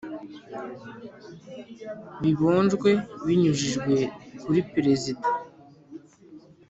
bibonjwe binyujijwe kuri perezida